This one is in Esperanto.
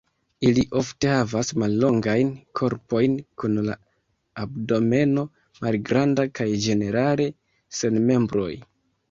Ili ofte havas mallongajn korpojn, kun la abdomeno malgranda, kaj ĝenerale sen membroj.